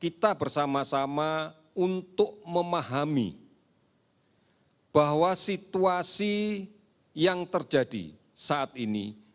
kita bersama sama untuk memahami bahwa situasi yang terjadi saat ini